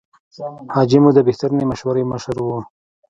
حاجي مو د بهترینې مشورې مشر و.